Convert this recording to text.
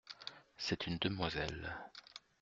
C'est une demoiselle.